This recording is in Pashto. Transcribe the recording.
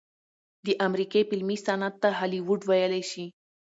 د امريکې فلمي صنعت ته هالي وډ وئيلے شي